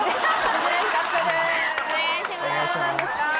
お願いします